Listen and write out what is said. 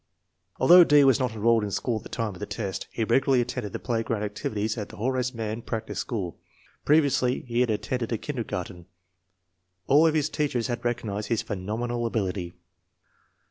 Although D. was not enrolled in school at the time of the test, he regularly attended the playground activities at the Horace Mann practice school. Pre viously he had attended a kindergarten. All of his teachers had recognized his phenomenal ability.